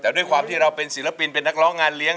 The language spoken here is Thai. แต่ด้วยความที่เราเป็นศิลปินเป็นนักร้องงานเลี้ยง